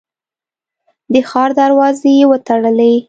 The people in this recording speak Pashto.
د ښار دروازې یې وتړلې.